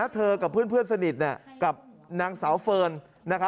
เธอกับเพื่อนสนิทกับนางสาวเฟิร์น